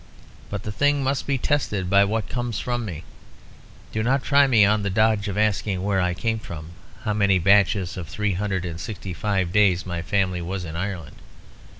But the thing must be tested by what comes from me; do not try on me the dodge of asking where I came from, how many batches of three hundred and sixty five days my family was in Ireland.